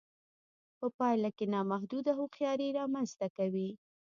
په پايله کې نامحدوده هوښياري رامنځته کوي.